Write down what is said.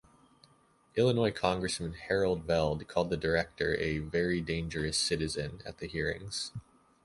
Illinois congressman Harold Velde called the director a "very dangerous citizen" at the hearings.